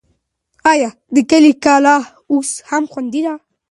آیا د کلي کلا اوس هم خوندي ده؟